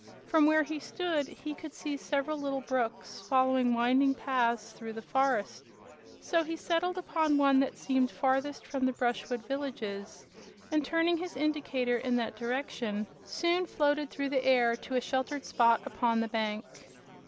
From where he stood he could see several little brooks following winding paths through the forest, so he settled upon one that seemed farthest from the brushwood villages, and turning his indicator in that direction soon floated through the air to a sheltered spot upon the bank.